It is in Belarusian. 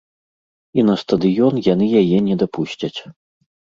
І на стадыён яны яе не дапусцяць.